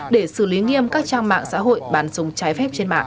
để xử lý nghiêm các trang mạng xã hội bán súng trái phép trên mạng